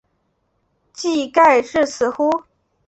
技盖至此乎？